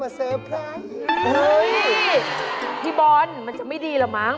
พี่บอร์นไม่จะมีดีละเหม้าง